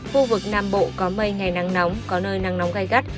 khu vực nam bộ có mây ngày nắng nóng có nơi nắng nóng gai gắt